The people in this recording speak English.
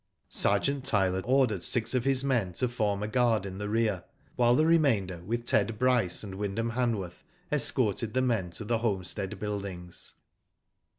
Sergeant Tyler ordered six of his men to form a guard in the rear, while the remainder, with Ted Bryce and Wyndham Hanworth, escorted the men to the homestead buildings.